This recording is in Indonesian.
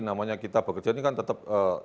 namanya kita bekerja ini kan tetap